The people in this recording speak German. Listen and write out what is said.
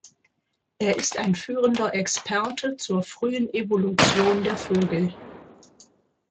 Er ist ein führender Experte zur frühen Evolution der Vögel.